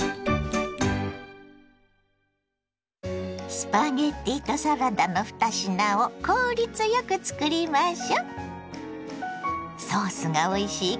スパゲッティとサラダの２品を効率よくつくりましょ。